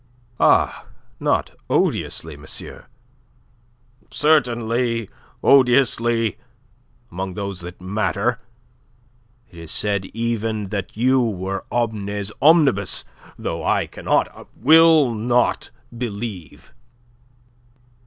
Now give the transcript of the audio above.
"Ah, not odiously, monsieur!" "Certainly, odiously among those that matter. It is said even that you were Omnes Omnibus, though that I cannot, will not believe."